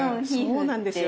そうなんですよ